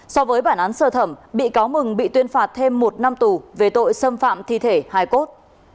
so với bản án sơ thẩm bị cáo mừng bị tuyên phạt thêm một năm tù về tội xâm phạm thi thể hai cốt